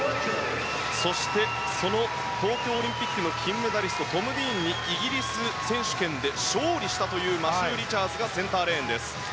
そして、その東京オリンピックの金メダリストトム・ディーンにイギリス選手権で勝利したというマシュー・リチャーズがセンターレーンです。